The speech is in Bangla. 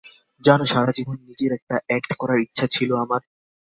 জানো, সারাজীবন নিজের একটা অ্যাক্ট করার ইচ্ছা ছিল আমার।